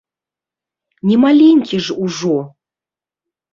Не маленькі ж ужо!